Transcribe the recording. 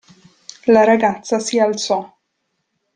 La ragazza si alzò.